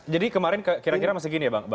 jadi kemarin kira kira masih gini ya bang